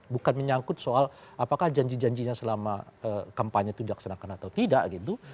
bukan menyangkut soal apakah janji janjinya selama kampanye itu dilaksanakan atau tidak gitu